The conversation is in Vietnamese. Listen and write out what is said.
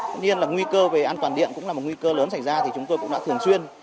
tuy nhiên là nguy cơ về an toàn điện cũng là một nguy cơ lớn xảy ra thì chúng tôi cũng đã thường xuyên